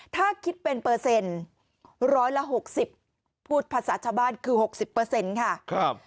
ถ้าคิดเป็นเปอร์เซ็นต์ร้อยละ๖๐พูดภาษาชาวบ้านคือ๖๐ค่ะ